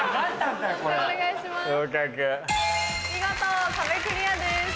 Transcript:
見事壁クリアです。